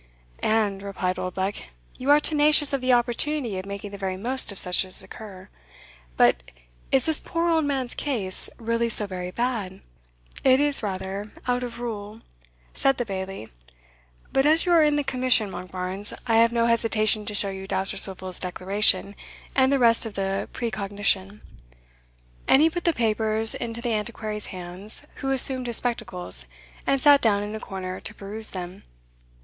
"And," replied Oldbuck, "you are tenacious of the opportunity of making the very most of such as occur. But is this poor old man's case really so very bad?" "It is rather out of rule," said the Bailie "but as you are in the commission, Monkbarns, I have no hesitation to show you Dousterswivel's declaration, and the rest of the precognition." And he put the papers into the Antiquary's hands, who assumed his spectacles, and sat down in a corner to peruse them.